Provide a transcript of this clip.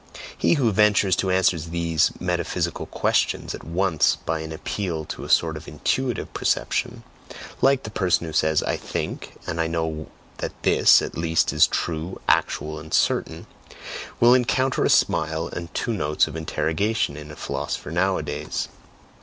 He who ventures to answer these metaphysical questions at once by an appeal to a sort of INTUITIVE perception, like the person who says, "I think, and know that this, at least, is true, actual, and certain" will encounter a smile and two notes of interrogation in a philosopher nowadays.